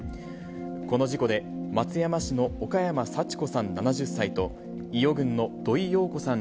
この事故で、松山市の岡山幸子さん７０歳と、伊予郡の土井陽子さん